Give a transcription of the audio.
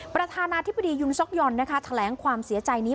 ประธานาธิบดียุนซ็กยอนนะคะแถลงความเสียใจนี้